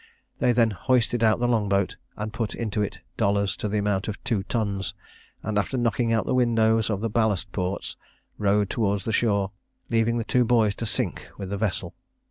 They then hoisted out the long boat, and put into it dollars to the amount of two tons; and after knocking out the windows of the ballast ports, rowed towards shore, leaving the two boys to sink with the vessel.